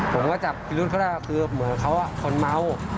ผมก็จับคิดว่าเขาเหมือนเขาคนเมา